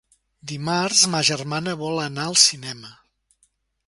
Dimarts ma germana vol anar al cinema.